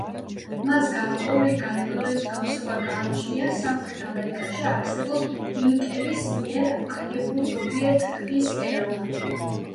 მას გარკვეული გარეგნული მსგავსება გააჩნია სამხრეთ ამერიკაში არსებულ ინკების მიერ აგებულ ზოგიერთ ქვის კედელთან.